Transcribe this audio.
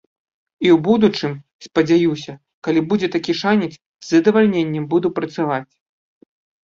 І ў будучым, спадзяюся, калі будзе такі шанец, з задавальненнем буду працаваць.